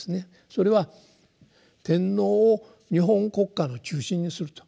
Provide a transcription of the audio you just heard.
それは天皇を日本国家の中心にすると。